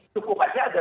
cukup saja ada